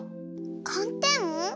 かんてん？